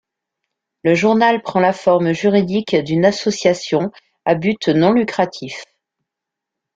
Le journal prend la forme juridique d'une association à but non lucratif.